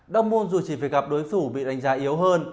dortmund dù chỉ phải gặp đối phủ bị đánh giá yếu hơn